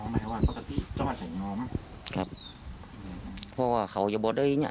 อ๋อไม่ว่าพกติเจ้าอาจจะยอมครับเพราะว่าเขาจะบอกได้เนี้ย